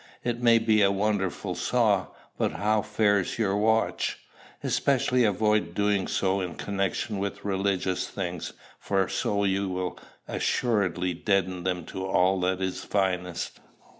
It may be a wonderful saw, but how fares your watch? Especially avoid doing so in connection with religious things, for so you will assuredly deaden them to all that is finest.